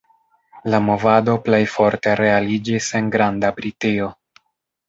La movado plej forte realiĝis en Granda Britio.